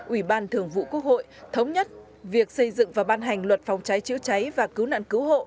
ủy ban thường vụ quốc hội thống nhất việc xây dựng và ban hành luật phòng cháy chữa cháy và cứu nạn cứu hộ